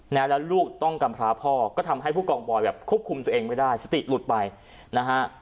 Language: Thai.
แล้วลูกต้องกำพร้าพ่อก็ทำให้ผู้กองบอยแบบควบคุมตัวเองไม่ได้สติหลุดไปนะฮะ